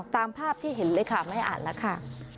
ตามภาพที่เห็นเลยค่ะไม่อ่านแล้วค่ะ